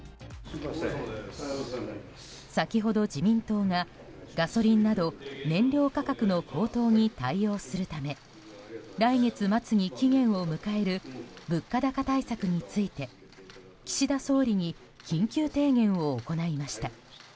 先ほど自民党が、ガソリンなど燃料価格の高騰に対応するため来月末に期限を迎える物価高対策について岸田総理に緊急提言を行いました。